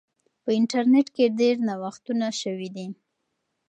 په انټرنیټ کې ډیر نوښتونه سوي دي.